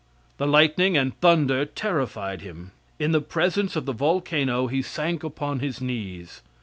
The lightning and thunder terrified him. In the presence of the volcano he sank upon his knees.